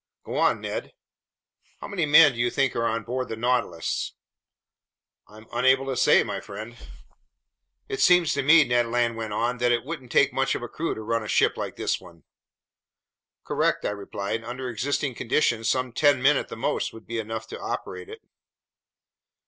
"Go on, Ned." "How many men do you think are on board the Nautilus?" "I'm unable to say, my friend." "It seems to me," Ned Land went on, "that it wouldn't take much of a crew to run a ship like this one." "Correct," I replied. "Under existing conditions some ten men at the most should be enough to operate it."